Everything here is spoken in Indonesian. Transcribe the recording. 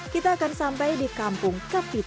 kita akan sampai di kampung kepiting